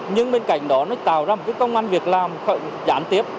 nhưng bên cạnh đó nó tạo ra một cái công an việc làm gián tiếp